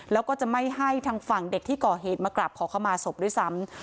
แล้วก็จะไม่ให้ทางฝั่งเด็กที่ก่อเหตุมากราบขอเข้ามาศพด้วยซ้ำ